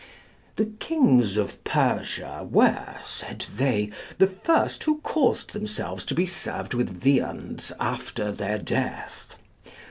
The kings of Persia were, said they, the first who caused themselves to be served with viands after their death.